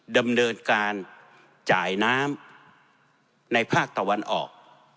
ดำเนินการจ่ายน้ำในภาคตะวันออก